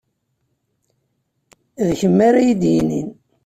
D kemm ara iyi-d-yinin.